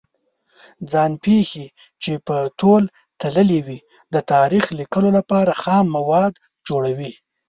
ځان پېښې چې په تول تللې وي د تاریخ لیکلو لپاره خام مواد جوړوي.